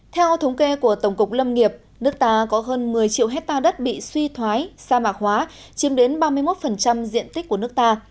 theo thống kê của tổng cục lâm nghiệp nước ta có hơn một mươi triệu hectare đất bị suy thoái sa mạc hóa chiếm đến ba mươi một diện tích của nước ta